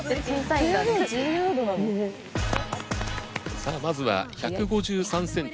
さあまずは１５３センチ